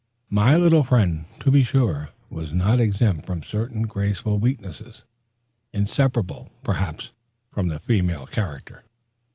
My little friend, to be sure, was not exempt from certain graceful weaknesses, inseparable, perhaps, from the female character.